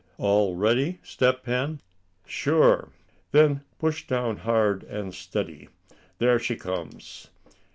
All ready. Step Hen?" "Sure." "Then push down hard and steady. There she comes!"